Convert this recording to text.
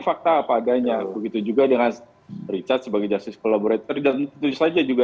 fakta apa adanya begitu juga dengan richard sebagai jasus kolaborator dan terus saja juga